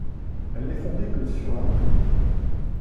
Elle n’est fondée que sur l’amour.